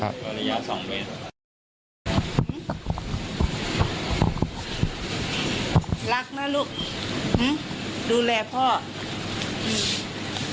หืหื